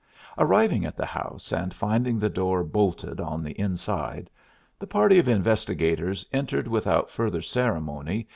Arriving at the house and finding the door unlocked, the party of investigators entered without ceremony.